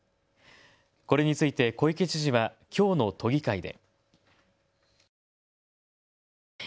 これについて小池知事はきょうの都議会で。